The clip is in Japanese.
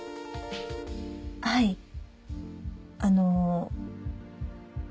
はいあの。